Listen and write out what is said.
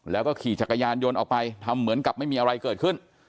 แล้วก็ขี่จักรยานยนต์ออกไปทำเหมือนกับไม่มีอะไรเกิดขึ้น